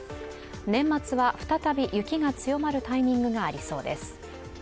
年末は再び雪が強まるタイミングがありそうです。